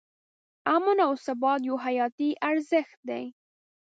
امن او ثبات یو حیاتي ارزښت دی.